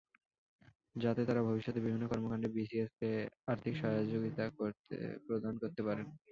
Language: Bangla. যাতে তারা ভবিষ্যতে বিভিন্ন কর্মকাণ্ডে বিসিএএসকে আর্থিক সহযোগিতা প্রদান করতে পারেন।